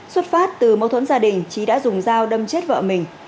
xuất phát từ mâu thuẫn gia đình trí đã dùng dao đâm chết vợ mình